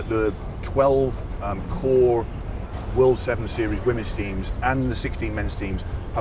dua belas tim wanita dari world sevens series dan tim menenang enam belas tahun